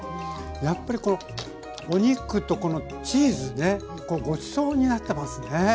やっぱりこのお肉とこのチーズねこうごちそうになってますね。